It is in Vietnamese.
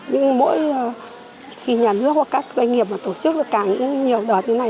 nhưng mỗi khi nhà nước hoặc các doanh nghiệp tổ chức được nhiều đợt như thế này